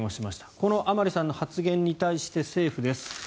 この甘利さんの発言に対して政府です。